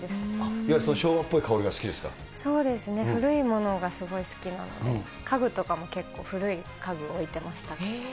いわゆる昭和っぽい香りが好そうですね、古いものがすごい好きなので、家具とかも結構、古い家具を置いてます、たくさん。